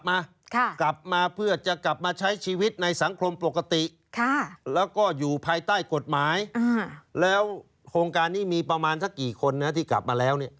กลับมาเพื่อจะกลับมาใช้ชีวิตในสังคมปกติแล้วก็อยู่ภายใต้กฎหมายแล้วโครงการนี้มีประมาณสักกี่คนนะที่กลับมาแล้วเนี่ย